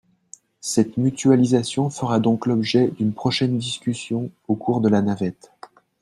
Cette mutualisation fera donc l’objet d’une prochaine discussion au cours de la navette.